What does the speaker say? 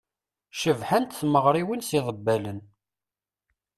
Cebḥent tmeɣriwin s yiḍebbalen.